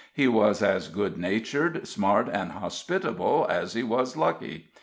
He was as good natured, smart and hospitable as he was lucky.